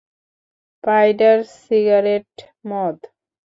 পাইডার, cigarette, মদ।